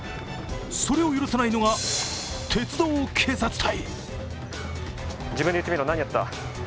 それを許さないのが鉄道警察隊。